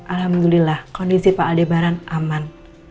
alhamdulillah kondisi pak aldebaran aman